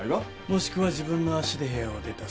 もしくは自分の足で部屋を出た。